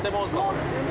そうですね。